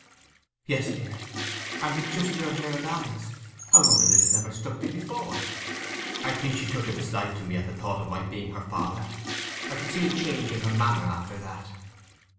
"Yes, dear; and with just your hair and eyes: I wondered it had never struck me before." "I think she took a dislike to me at the thought of my being her father: I could see a change in her manner after that."